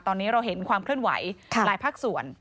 ตอนนี้เราเห็นความเคลื่อนไหวหลายภาคส่วน